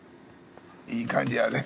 いい感じやで。